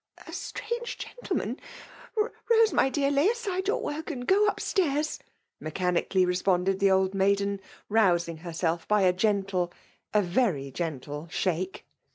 *' A strange gentleman ! Rose, my dear, — lay aside your work and go up stairs," mecha* nically responded the old maiden, rousing her* self by a gentle, — a very gende shake.